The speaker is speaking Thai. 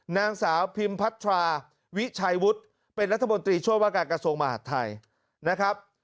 นางสาวพิมพัทราวิชัยวุฒิเป็นรัฐมนตรีช่วยว่าการกระทรวงมหาดไทยนะครับ